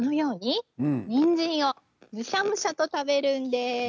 にんじんをむしゃむしゃと食べるんです。